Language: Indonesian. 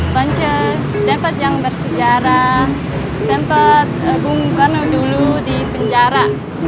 pance tempat yang bersejarah tempat bung karno dulu di penjara